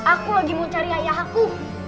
aku lagi mau cari ayah aku